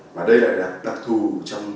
và đây là đặc thù trong